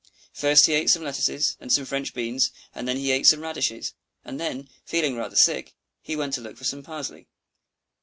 First he ate some lettuces and some French beans; and then he ate some radishes; and then, feeling rather sick, he went to look for some parsley.